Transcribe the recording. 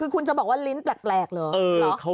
คือคุณจะบอกว่าลิ้นแปลกเหรอ